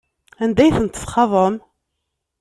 Anda ay tent-txaḍem?